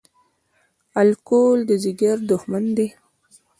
الکول د ځیګر دښمن دی